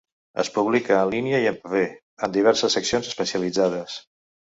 Es publica en línia i en paper, en diverses seccions especialitzades.